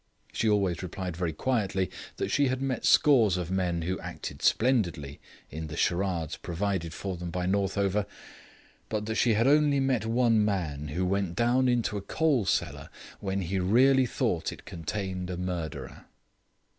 She always replied very quietly that she had met scores of men who acted splendidly in the charades provided for them by Northover, but that she had only met one man who went down into a coal cellar when he really thought it contained a murderer.